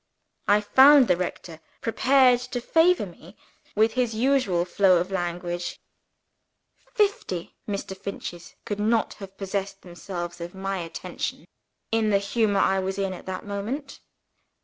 I found the rector prepared to favor me with his usual flow of language. Fifty Mr. Finches could not have possessed themselves of my attention in the humour I was in at that moment.